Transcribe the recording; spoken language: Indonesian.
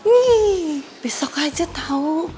nih besok aja tau